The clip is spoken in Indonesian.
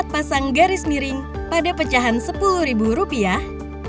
pasang garis miring pada pecahan sepuluh ribu rupiah